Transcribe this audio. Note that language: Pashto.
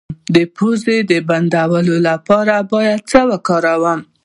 د پوزې د بندیدو لپاره باید څه وکاروم؟